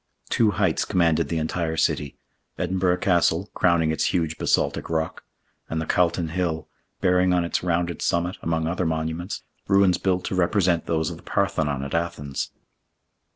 Two heights commanded the entire city; Edinburgh Castle, crowning its huge basaltic rock, and the Calton Hill, bearing on its rounded summit, among other monuments, ruins built to represent those of the Parthenon at Athens.